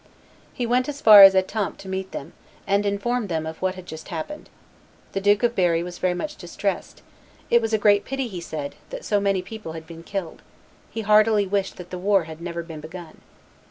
He went as far as Etampes to meet them, and informed them of what had just happened. The Duke of Berry was very much distressed; it was a great pity, he said, that so many people had been killed; he heartily wished that the war had never been begun.